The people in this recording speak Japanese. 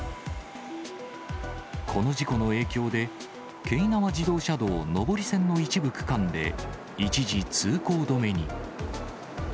この事故の影響で、京奈和自動車道上り線の一部区間で、一時通行止めに。